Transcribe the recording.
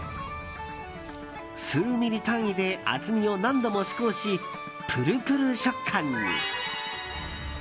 数ミリ単位で厚みを何度も試行しプルプル食感に。